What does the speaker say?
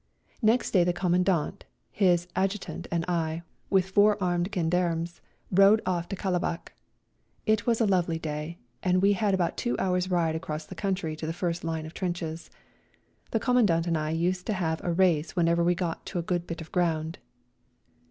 Next day the Commandant, his Adju tant and I, with four armed gendarmes, rode off to Kalabac. It was a lovely day, and we had about two hours' ride across coimtry to the first line of trenches. The Commandant and I used to have a A RIDE TO KALABAC 55 race whenever we got to a good bit of ground.